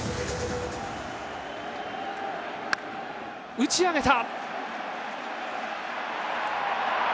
打ち上げた！